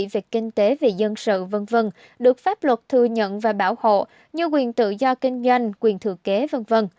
về kinh tế về dân sự v v được pháp luật thừa nhận và bảo hộ như quyền tự do kinh doanh quyền thừa kế v v